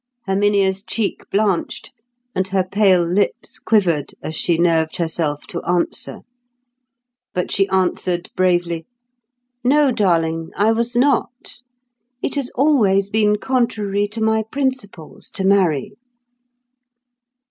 Herminia's cheek blanched, and her pale lips quivered as she nerved herself to answer; but she answered bravely, "No, darling, I was not. It has always been contrary to my principles to marry."